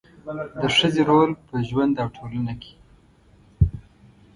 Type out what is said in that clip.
د ښځې رول په ژوند او ټولنه کې